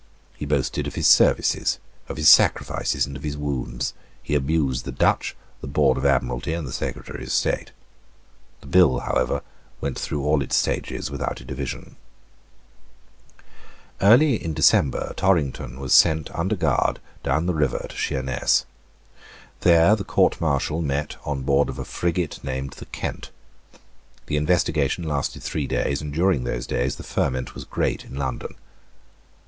He boasted of his services, of his sacrifices, and of his wounds. He abused the Dutch, the Board of Admiralty, and the Secretary of State. The bill, however, went through all its stages without a division, Early in December Torrington was sent under a guard down the river to Sheerness. There the Court Martial met on board of a frigate named the Kent. The investigation lasted three days; and during those days the ferment was great in London.